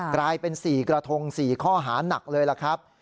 กลายเป็น๔กระทง๔ข้อหานักเลยล่ะครับ